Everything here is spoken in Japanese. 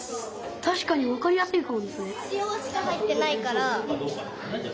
たしかにわかりやすいかもですね。